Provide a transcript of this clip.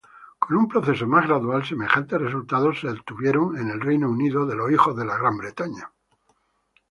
Con un proceso más gradual, semejantes resultados se tuvieron en el Reino Unido.